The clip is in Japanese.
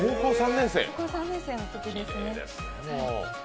高校３年生のときですね。